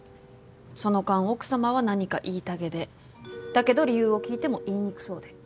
その間奥様は何か言いたげでだけど理由を聞いても言いにくそうで。